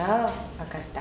分かった。